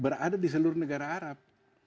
berada di seluruh negara arab